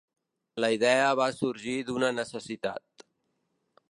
La idea va sorgir d’una necessitat.